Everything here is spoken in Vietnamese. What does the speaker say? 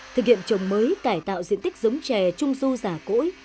thực hiện trồng mới cải tạo diện tích giống chè trung du giả cỗi